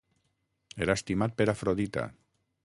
Era estimat per Afrodita.